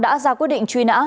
đã ra quyết định truy nã